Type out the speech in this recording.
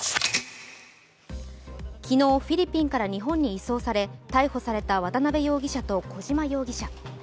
昨日、フィリピンから日本に移送され逮捕された渡辺容疑者と小島容疑者。